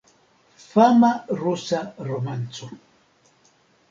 Fama rusa romanco.